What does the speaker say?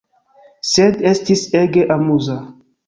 Sed, estis ege amuza.